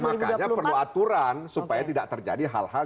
makanya perlu aturan supaya tidak terjadi hal hal